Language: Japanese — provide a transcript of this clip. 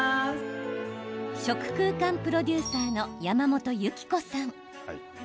食空間プロデューサーの山本侑貴子さん。